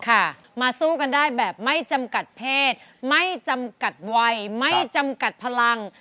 ค่ะมาสู้กันได้แบบไม่จำกัดเพศไม่จำกัดวัยไม่จำกัดพลัง